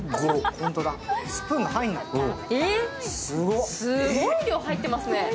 すごい量入ってますね。